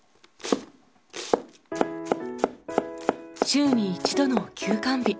週に一度の休肝日。